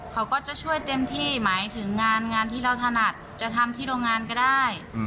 เขาก็จะช่วยเต็มที่หมายถึงงานงานที่เราถนัดจะทำที่โรงงานก็ได้